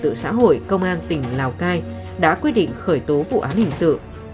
trật tự xã hội công an tỉnh lào cai đã quyết định khởi tố vụ án hình sự